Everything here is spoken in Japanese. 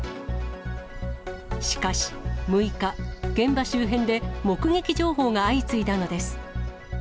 しかし６日、現場周辺で目撃情報が相次いだのです。